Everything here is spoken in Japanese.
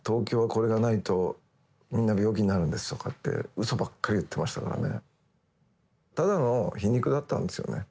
うそばっかり言ってましたからね。